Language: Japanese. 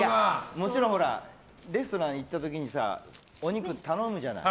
もちろん、レストラン行った時お肉頼むじゃない。